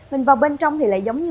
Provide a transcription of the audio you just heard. mình vào bên trong thì lại giống như